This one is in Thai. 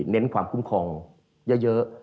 เน้นความคุ้มครองเยอะ